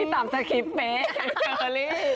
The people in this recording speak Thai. ตามสคิปไป